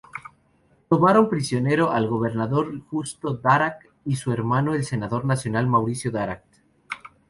Tomaron prisionero al gobernador Justo Daract y su hermano el Senador Nacional Mauricio Daract.